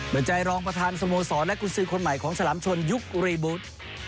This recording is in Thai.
บริจัยรองประธานสโมสรและกุศิคนใหม่ของฉลามชนยุครีบูธ